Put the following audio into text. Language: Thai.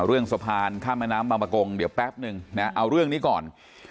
เรื่องสะพานข้ามแม่น้ำบางมะกงเดี๋ยวแป๊บนึงนะเอาเรื่องนี้ก่อน